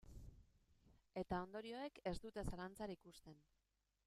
Eta ondorioek ez dute zalantzarik uzten.